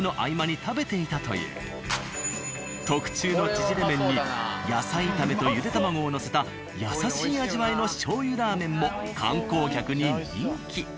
特注の縮れ麺に野菜炒めとゆで卵をのせた優しい味わいのしょうゆラーメンも観光客に人気。